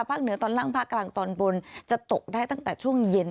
เหนือตอนล่างภาคกลางตอนบนจะตกได้ตั้งแต่ช่วงเย็น